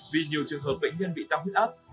vì nhiều trường hợp bệnh nhân bị tăng huyết áp